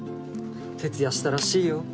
徹夜したらしいよ